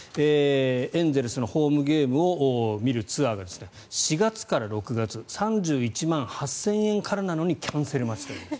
エンゼルスのホームゲームを見るツアーが４月から６月３１万８０００円からなのにキャンセル待ちと。